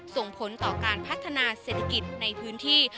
ส่งผลต่อการพัฒนาเศรษฐกิจในพื้นที่